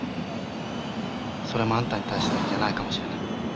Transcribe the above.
それもあんたに対してだけじゃないかもしれない。